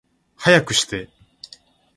早くして